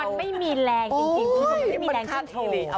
มันไม่มีแรงจริงมันไม่มีแรงขึ้นโถ่